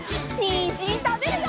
にんじんたべるよ！